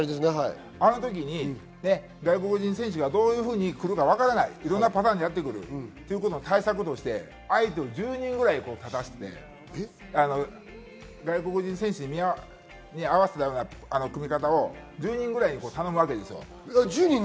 あの時に外国人選手がどういうふうに来るかわからない、いろんなパターンでやってくる対策としてあえて１０人ぐらいを立たせて外国人選手に合わせた組み方を１０人ぐらいに頼むんです。